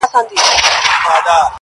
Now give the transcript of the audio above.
• خو درد لا هم شته تل..